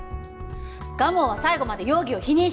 蒲生は最後まで容疑を否認してました。